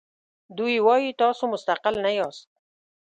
دوی وایي تاسو مستقل نه یاست.